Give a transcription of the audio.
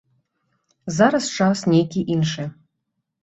Зараз час нейкі іншы.